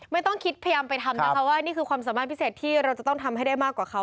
ไม่ต้องคิดพยายามไปทำนะคะว่านี่คือความสามารถพิเศษที่เราจะต้องทำให้ได้มากกว่าเขา